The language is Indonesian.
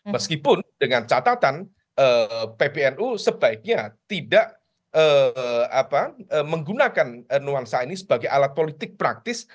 meskipun dengan catatan pbnu sebaiknya tidak menggunakan nuansa ini sebagai alat politik praktis